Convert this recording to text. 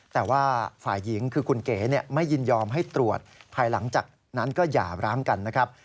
แต่ว่าฝ่ายหญิงคือคุณเก๋ไม่ยินยอมให้ตรวจภายหลังจากนั้นก็หย่าร้างกันนะครับ